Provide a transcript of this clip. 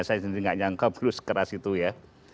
saya sendiri nggak nyangka blue sekeras itu ya